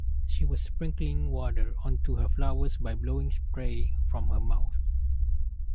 She was sprinkling water onto her flowers by blowing spray from her mouth.